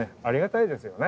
ありがたいです。